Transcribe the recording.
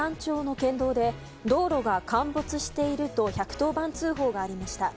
県道で道路が陥没していると１１０番通報がありました。